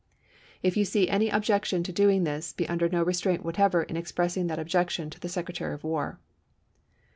If you see any objection to doing this, be under no restraint what ever in expressing that objection to the Secretary of War."